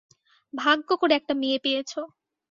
ভাগ্য করে একটা মেয়ে পেয়েছো।